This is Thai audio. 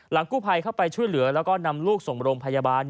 กู้ภัยเข้าไปช่วยเหลือแล้วก็นำลูกส่งโรงพยาบาล